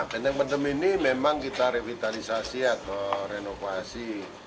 benteng pendem ini memang kita revitalisasi atau renovasi